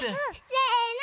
せの！